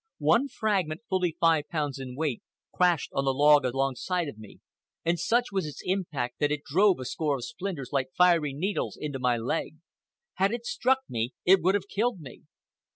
One fragment, fully five pounds in weight, crashed on the log alongside of me, and such was its impact that it drove a score of splinters, like fiery needles, into my leg. Had it struck me it would have killed me.